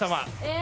え！